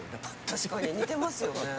確かに似てますよね。